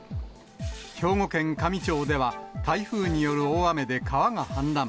兵庫県香美町では、台風による大雨で川が氾濫。